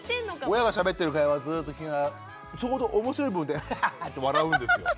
親がしゃべってる会話をずっと聞きながらちょうど面白い部分でアハハハッ！って笑うんですよ。